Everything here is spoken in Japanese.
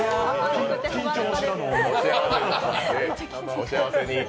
お幸せに。